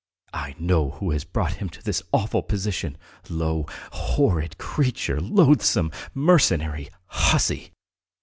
"I know who has brought him to this awful position! Low, horrid creature! Loathsome, mercenary hussy!"